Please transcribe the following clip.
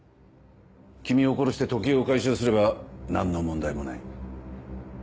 君を殺して時計を回収すれば何の問題もない。